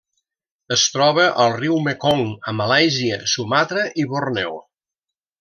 Es troba al riu Mekong, a Malàisia, Sumatra i Borneo.